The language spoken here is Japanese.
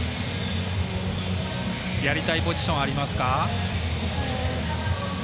やりたいポジションありますか？